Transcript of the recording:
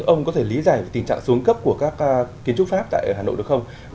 ông có thể lý giải về tình trạng xuống cấp của các kiến trúc pháp tại hà nội được không